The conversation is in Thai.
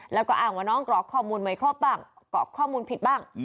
แล้วก็อ้างว่าน้องกรอกข้อมูลไม่ครบบ้างกรอกข้อมูลผิดบ้าง